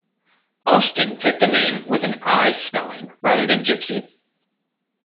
Austin picked the name with an "I" spelling rather than gypsy.